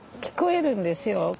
聞こえるんですよ